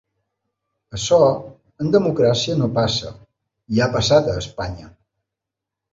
Això, en democràcia no passa, i ha passat a Espanya.